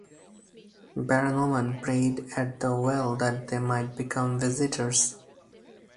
Barren women prayed at the well that they might become visitors.